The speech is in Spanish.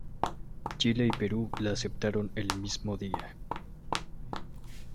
Chile y Perú la aceptaron el mismo día.